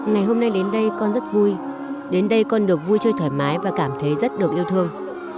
ngày hôm nay đến đây con rất vui đến đây con được vui chơi thoải mái và cảm thấy rất được yêu thương